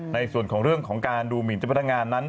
ในส่วนของเรื่องของการดูหมินเจ้าพนักงานนั้น